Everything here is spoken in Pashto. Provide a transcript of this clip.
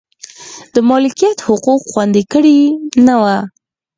د مالکیت حقوق خوندي کړي نه و.